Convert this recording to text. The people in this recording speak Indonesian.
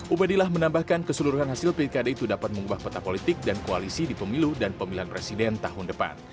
ubedillah menambahkan keseluruhan hasil pilkada itu dapat mengubah peta politik dan koalisi di pemilu dan pemilihan presiden tahun depan